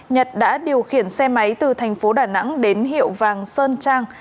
nhật đã điều khiển xe máy từ thành phố đà nẵng đến hiệu vàng sơn trang